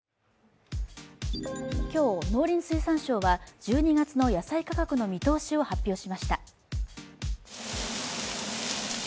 今日、農林水産省は１２月の野菜価格の見通しを発表しました。